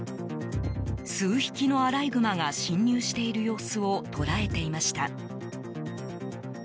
数匹のアライグマが侵入している様子を捉えていました。